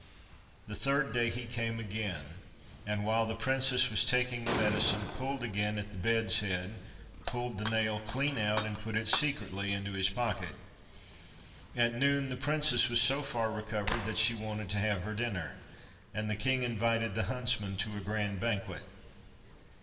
The third day he came again, and while the princess was taking the medicine, pulled again at the bed's head, pulled the nail clean out, and put it secretly into his pocket. At noon the princess was so far recovered, that she wanted to have her dinner, and the king invited the huntsman to a grand banquet.